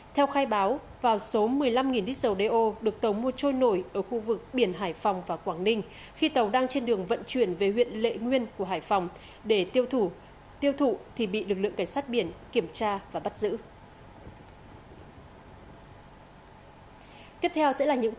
theo khai báo vào số một mươi năm lít dầu đeo được tàu mua trôi nổi ở khu vực biển hải phòng và quảng ninh khi tàu đang trên đường vận chuyển về huyện lệ nguyên của hải phòng để tiêu thụ tiêu thụ thì bị lực lượng cảnh sát biển kiểm tra và bắt giữ